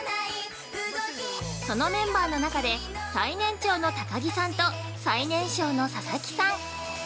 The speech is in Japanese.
そのメンバーの中で最年長の高城さんと最年少の佐々木さん。